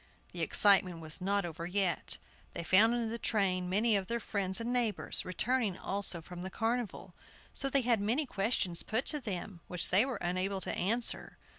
The excitement was not yet over. They found in the train many of their friends and neighbors, returning also from the Carnival; so they had many questions put to them which they were unable to answer.